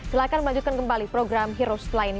silahkan melanjutkan kembali program heroes lain